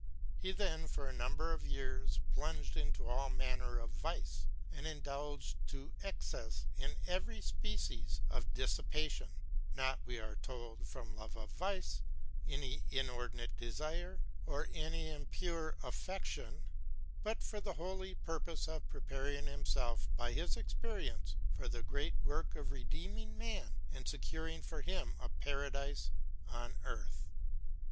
He then for a number of years plunged into all manner of vice, and indulged to excess in every species of dissipation; not, we are told, from love of vice, any inordinate desire, or any impure affection, but for the holy purpose of preparing himself by his experience for the great work of redeeming man and securing for him a Paradise on earth.